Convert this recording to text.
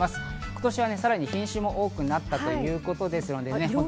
今年はさらに品種も多くなったということです。